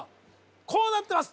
こうなってます